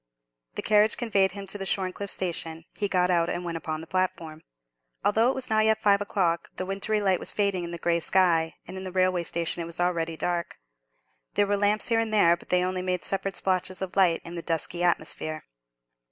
The carriage conveyed him to the Shorncliffe station. He got out and went upon the platform. Although it was not yet five o'clock, the wintry light was fading in the grey sky, and in the railway station it was already dark. There were lamps here and there, but they only made separate splotches of light in the dusky atmosphere.